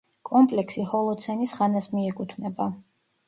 კომპლექსი ჰოლოცენის ხანას მიეკუთვნება.